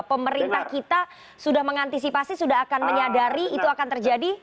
pemerintah kita sudah mengantisipasi sudah akan menyadari itu akan terjadi